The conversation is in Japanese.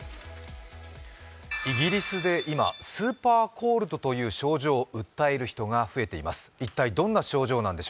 イギリスで今、スーパーコールドという症状を訴える人が増えています。